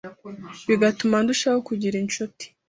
bigatuma ndushaho kugira inshuti